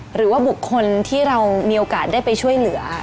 หรือว่าบุคคลที่เรามีโอกาสได้ไปช่วยเหลือ